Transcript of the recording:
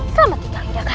selamat tinggal hidakara